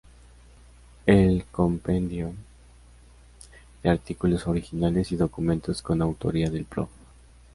El compendio de artículos originales y documentos con autoría del Prof.